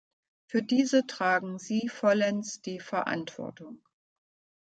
Für diese tragen Sie vollends die Verantwortung.